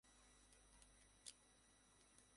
তুই জানিস না - আমি এখানে একা একা কী করে চালাচ্ছি।